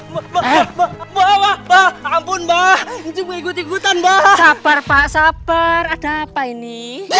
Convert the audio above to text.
mbah mbah mbah mbah ampun mbah ikut ikutan banget sabar sabar ada apa ini